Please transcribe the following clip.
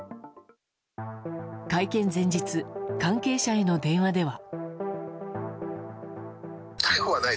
会見前日関係者への電話では。